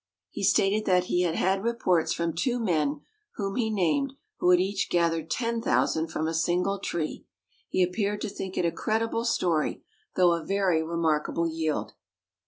He stated that he had had reports from two men whom he named, who had each gathered ten thousand from a single tree. He appeared to think it a credible story, though a very remarkable yield.